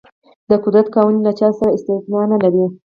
د قدرت قوانین له چا سره استثنا نه لري.